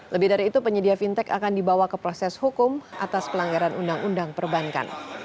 lebih dari itu penyedia fintech akan dibawa ke proses hukum atas pelanggaran undang undang perbankan